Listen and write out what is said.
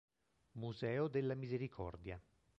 Museo della Misericordia